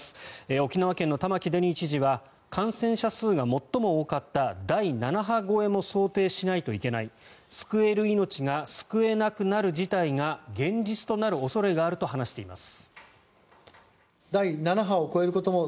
沖縄県の玉城デニー知事は感染者数が最も多かった第７波超えも想定しないといけない救える命が救えなくなる事態が現実となる恐れがあると話しています。